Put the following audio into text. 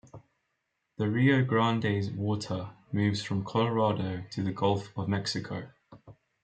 The Rio Grande's water moves from Colorado to the Gulf of Mexico.